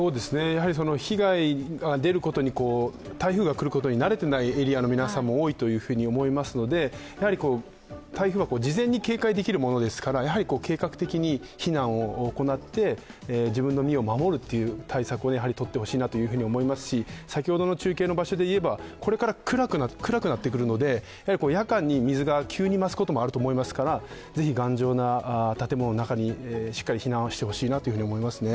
被害出ることに台風が来ることに慣れてないエリアの皆さんもいると思いますので台風は事前に警戒できるものですから計画的に避難を行って自分の身を守るという対策をとってほしいと思いますし、先ほどの中継の場所でいえば、これから暗くなってくるので夜間に水が急に増すこともあると思いますからぜひ頑丈な建物の中にしっかり避難をしてほしいなと思いますね。